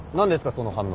その反応。